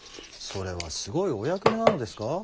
それはすごいお役目なのですか？